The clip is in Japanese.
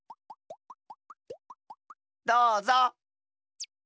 どうぞ。